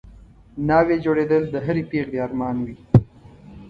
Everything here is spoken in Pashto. ناوې جوړېدل د هرې پېغلې ارمان وي